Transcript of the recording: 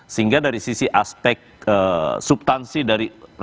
sehingga dari sisi aspek subtansi dari